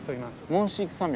モンシーク山脈。